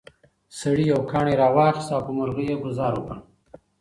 سړي یو کاڼی راواخیست او په مرغۍ یې ګوزار وکړ.